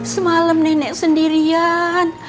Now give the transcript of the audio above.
semalam nenek sendirian